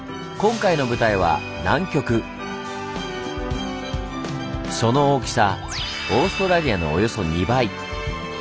今回の舞台はその大きさオーストラリアのおよそ２倍。